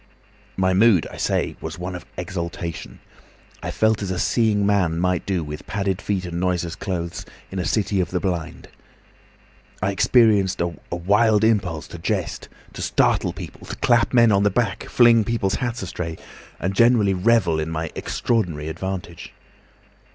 "My mood, I say, was one of exaltation. I felt as a seeing man might do, with padded feet and noiseless clothes, in a city of the blind. I experienced a wild impulse to jest, to startle people, to clap men on the back, fling people's hats astray, and generally revel in my extraordinary advantage.